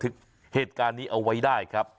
เหตุการณ์นี้เอาไว้ได้ครับ